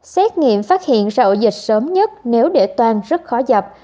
xét nghiệm phát hiện sau ổ dịch sớm nhất nếu để toàn rất khó dập